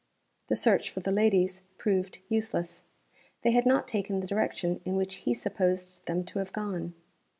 The search for the ladies proved useless. They had not taken the direction in which he supposed them to have gone.